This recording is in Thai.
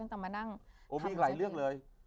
โอ้ยมีหลายเรื่องเลย